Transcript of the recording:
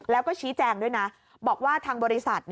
แล้วก็ชี้แจงด้วยนะบอกว่าทางบริษัท